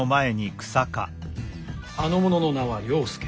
あの者の名は了助。